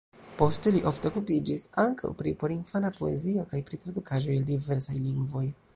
Poste li ofte okupiĝis ankaŭ pri porinfana poezio kaj pri tradukaĵoj el diversaj lingvoj.